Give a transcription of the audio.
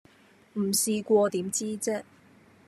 唔試過點知啫